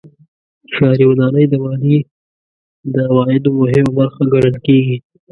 ښاري ودانۍ د مالیې د عوایدو مهمه برخه ګڼل کېږي.